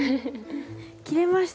切れました。